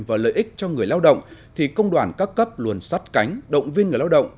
và lợi ích cho người lao động thì công đoàn các cấp luôn sắt cánh động viên người lao động